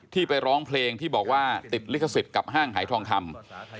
ไปร้องเพลงที่บอกว่าติดลิขสิทธิ์กับห้างหายทองคำ